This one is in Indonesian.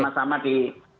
sama sama di